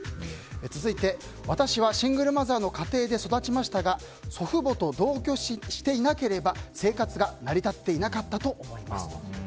続いて私はシングルマザーの家庭で育ちましたが祖父母と同居していなければ生活が成り立っていなかったと思います。